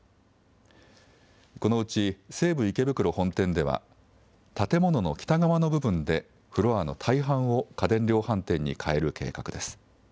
このうち西武池袋本店では、建物の北側の部分でフロアの大半を家電量販店に変える計画です。